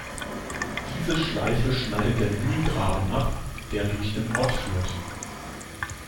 Diese Schleife schneidet der "Mühlgraben" ab, der durch den Ort führt.